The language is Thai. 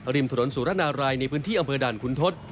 ริมถนนสุรนารายในพื้นที่อำเภอด่านขุนทศ